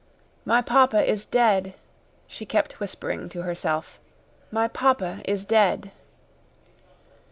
"My papa is dead!" she kept whispering to herself. "My papa is dead!"